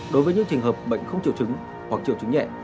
đối với những trình hợp bệnh không triều chứng hoặc triều chứng nhẹ